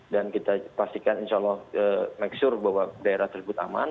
dan kita pastikan insya allah make sure bahwa daerah tersebut aman